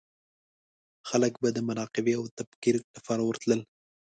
خلک به د مراقبې او تفکر لپاره ورتلل.